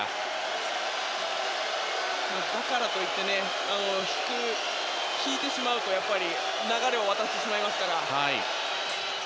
だからといって引いてしまうと流れを渡してしまいますから。